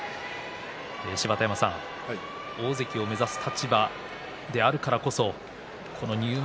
芝田山さん、大関を目指す立場であるからこそこの入幕